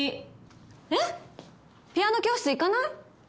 えっ、ピアノ教室行かない？